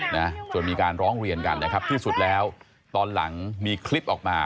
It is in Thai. นะจนมีการร้องเรียนกันนะครับที่สุดแล้วตอนหลังมีคลิปออกมา